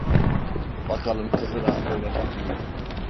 Bakalım kızı razı olacak mı?